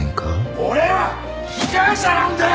俺は被害者なんだよ！